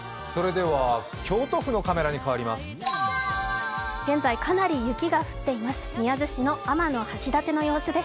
京都府のカメラに変わります。